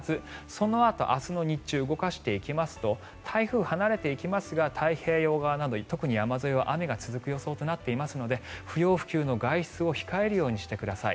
そのあと明日の日中動かしていきますと台風離れていきますが太平洋側など特に山沿いは雨が続く予想となっていますので不要不急の外出を控えるようにしてください。